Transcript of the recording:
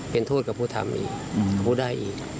เป็นทูตกับผู้ทำอีกพูดได้อีก